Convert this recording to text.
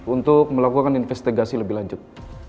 untuk melakukan investigasi lebih lanjut